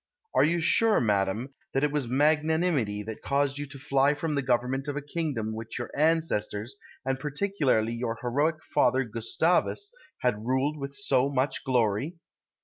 Are you sure, madam, it was magnanimity that caused you to fly from the government of a kingdom which your ancestors, and particularly your heroic father Gustavus, had ruled with so much glory?